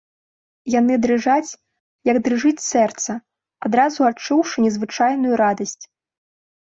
Яны дрыжаць, як дрыжыць сэрца, адразу адчуўшы незвычайную радасць.